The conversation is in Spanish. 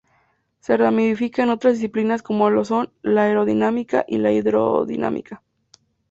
Se ramifica en otras disciplinas como lo son: la aerodinámica y la hidrodinámica.